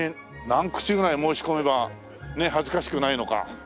何口ぐらい申し込めば恥ずかしくないのか。